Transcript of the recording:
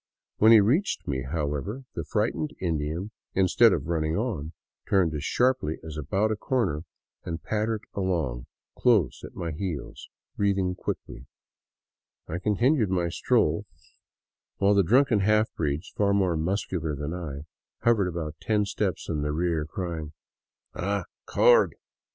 When he reached me, however, the frightened Indian, instead of running on, turned as sharply as about a corner, and pattered along close at my heels, breathing quickly. I continued my stroll, while the drunken 153 VAGABONDING DOWN THE ANDES half breeds, far more muscular than I, hovered about ten steps in the rear, crying: *' Ah, coward